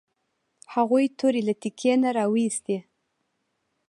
هغوی تورې له تیکي نه راویوستې.